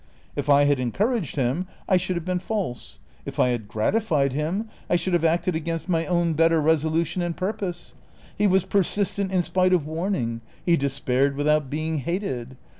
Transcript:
If I had encouraged him, I should have been false ; if I had gratified him, I should have acted against my own better resolution and purj^ose. He was persistent in spite of warning, he despaired without being hated.